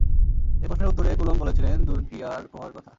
এ প্রশ্নের উত্তরে কুলম্ব বলেছিলেন, দূরক্রিয়ার প্রভাবের কথা।